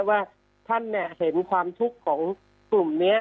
ว่าท่านเห็นความทุกข์ของกลุ่มนี้